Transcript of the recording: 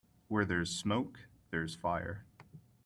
Where there's smoke there's fire.